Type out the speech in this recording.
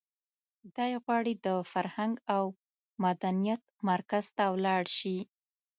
دی غواړي د فرهنګ او مدنیت مرکز ته ولاړ شي.